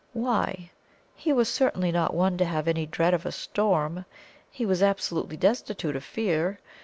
Why? He was certainly not one to have any dread of a storm he was absolutely destitute of fear.